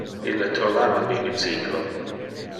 Ille trovava mi bicyclo.